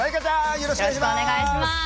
よろしくお願いします！